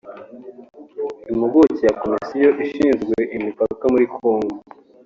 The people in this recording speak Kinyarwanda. Impuguke ya komisiyo ishinzwe imipaka muri Congo